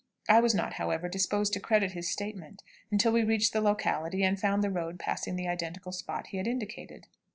I was not, however, disposed to credit his statement until we reached the locality and found the road passing the identical spot he had indicated.